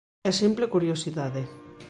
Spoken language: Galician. É simple curiosidade.